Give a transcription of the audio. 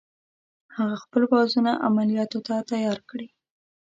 هغه خپل پوځونه عملیاتو ته تیار کړي.